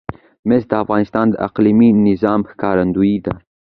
مس د افغانستان د اقلیمي نظام ښکارندوی ده.